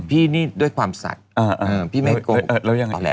พี่นี่ด้วยความสัตว์พี่ไม่โกรธ